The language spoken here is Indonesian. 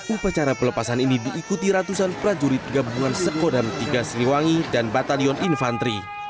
upacara pelepasan ini diikuti ratusan prajurit gabungan sekodam tiga siliwangi dan batalion infantri